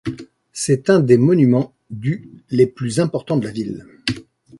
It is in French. C’est un des monuments du les plus importants de la ville.